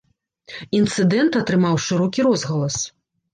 Інцыдэнт атрымаў шырокі розгалас.